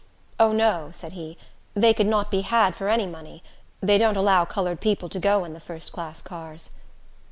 "O, no," said he, "they could not be had for any money. They don't allow colored people to go in the first class cars."